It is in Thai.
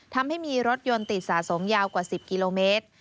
ทำให้มีรถยนต์ติดสะสมยาวกว่า๑๐กิโลเมตร